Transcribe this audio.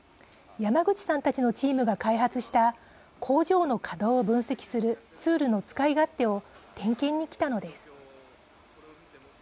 山口さんたちのチームが開発した工場の稼働を分析するツールの使い勝手を点検に来たのです。